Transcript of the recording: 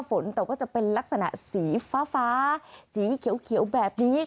ฝนแต่ก็จะเป็นลักษณะสีฟ้าสีเขียวแบบนี้